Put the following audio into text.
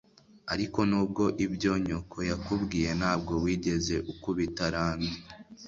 Ariko nubwo ibyo nyoko yakubwiye, ntabwo wigeze ukubita Randy?